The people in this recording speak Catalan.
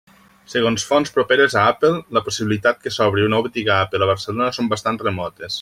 Segons fonts properes a Apple la possibilitat que s'obri una botiga Apple a Barcelona són bastant remotes.